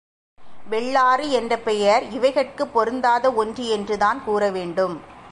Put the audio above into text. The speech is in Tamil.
வெள்ளாறு என்ற பெயர் இவைகட்குப் பொருந்தாத ஒன்று என்று தான் கூற வேண்டும்.